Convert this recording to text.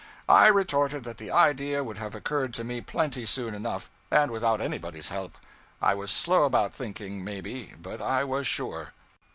I retorted that the idea would have occurred to me plenty soon enough, and without anybody's help. I was slow about thinking, maybe, but I was sure.